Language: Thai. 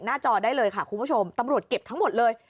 จอได้เลยค่ะคุณผู้ชมตำรวจเก็บทั้งหมดเลย